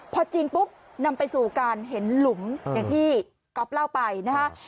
พอจริงปุ๊บนำไปสู่การเห็นหลุมอย่างที่ก๊อฟเล่าไปนะฮะ